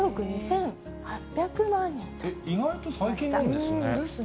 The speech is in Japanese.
意外と最近なんですね。ですね。